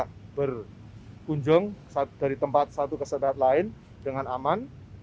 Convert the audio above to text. kita berkunjung dari tempat satu ke tempat lain dengan aman